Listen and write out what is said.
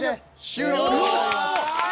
終了でございます。